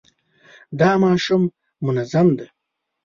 دا ماشوم منظم دی.